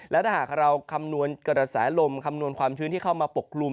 และถ้าหากเราคำนวณกระแสลมคำนวณความชื้นที่เข้ามาปกกลุ่ม